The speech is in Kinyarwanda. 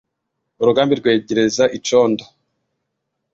urugamba irwegereza icondo